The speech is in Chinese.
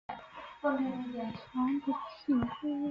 传不习乎？